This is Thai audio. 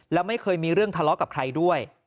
แล้วไม่เคยมีเรื่องทะเลาะกับใครด้วย